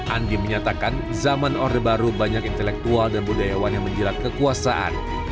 andi menyatakan zaman orde baru banyak intelektual dan budayawan yang menjerat kekuasaan